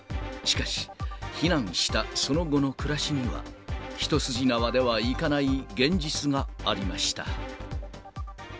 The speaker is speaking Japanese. しかし、避難したその後の暮らしには、一筋縄ではいかない現実がありました。